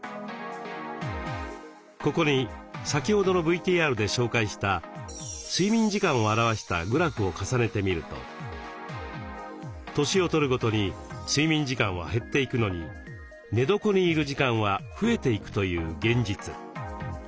ここに先ほどのＶＴＲで紹介した睡眠時間を表したグラフを重ねてみると年をとるごとに睡眠時間は減っていくのに寝床にいる時間は増えていくという現実。